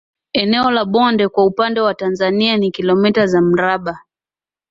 Eneo la bonde kwa upande wa Tanzania ni kilometa za mraba